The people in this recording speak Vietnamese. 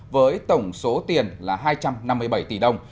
với tổng số tiền là hai trăm năm mươi bảy tỷ đồng